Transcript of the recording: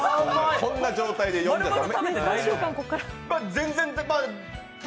こんな状態で呼んじゃ、だめ。